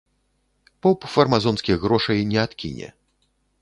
Поп фармазонскіх грошай не адкіне.